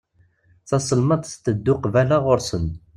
Taselmadt tetteddu qbala ɣur-sen.